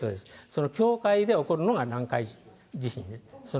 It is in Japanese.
その境界で起こるのが南海地震です。